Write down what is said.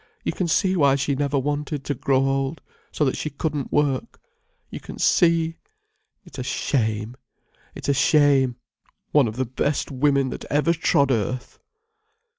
You can see why she never wanted to grow old, so that she couldn't work. You can see. It's a shame, it's a shame, one of the best women that ever trod earth."